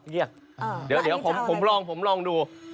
เดี๋ยวผมลองดู